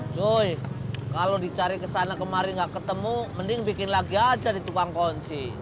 cuy kalau di cari ke sana kemari gak ketemu mending bikin lagi aja di tukang kunci